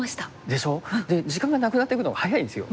でしょ？で時間がなくなっていくのも早いんですよ。